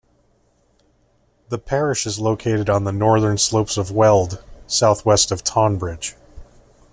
The parish is located on the northern slopes of the Weald, south-west of Tonbridge.